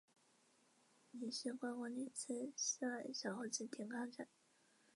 临时观光列车四万小火车停靠站。